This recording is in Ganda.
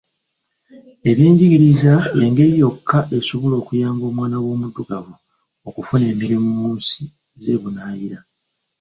Ebyenjigiriza ye ngeri yokka esobola okuyamba omwana w'omuddugavu okufuna emirimu mu nsi z'ebunaayira.